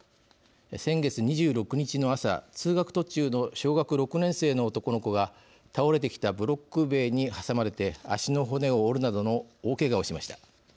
先月２６日の朝通学途中の小学６年生の男の子が倒れてきたブロック塀に挟まれて足の骨を折るなどの大けがをしました。